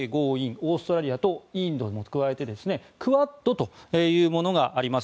オーストラリアとインドも加えてクアッドというものがあります。